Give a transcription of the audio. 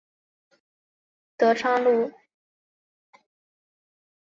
二十三年改隶德昌路。